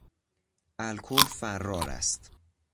الکل فرار است.